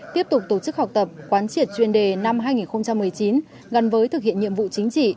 tiếp tục tổ chức học tập quán triệt chuyên đề năm hai nghìn một mươi chín gắn với thực hiện nhiệm vụ chính trị